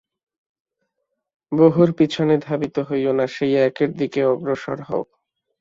বহুর পিছনে ধাবিত হইও না, সেই একের দিকে অগ্রসর হও।